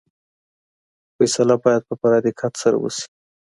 فیصله باید په پوره دقت سره وشي.